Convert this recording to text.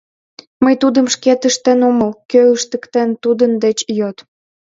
Мый тудым шкет ыштен омыл, кӧ ыштыктен, тудын деч йод.